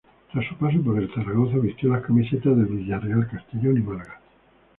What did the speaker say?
Tras su paso por el Zaragoza, vistió las camisetas del Villarreal, Castellón y Málaga.